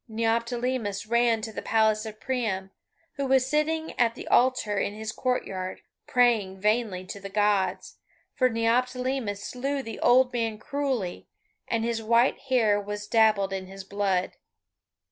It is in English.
Neoptolemus ran to the palace of Priam, who was sitting at the altar in his courtyard, praying vainly to the Gods, for Neoptolemus slew the old man cruelly, and his white hair was dabbled in his blood.